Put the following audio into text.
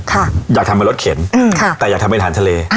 ค่ะอยากทำมันรดเข็นอืมค่ะแต่อยากทำให้ทานทะเล